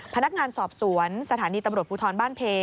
พนักงานสอบสวนสถานีตำรวจภูทรบ้านเพ